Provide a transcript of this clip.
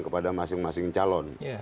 kepada masing masing calon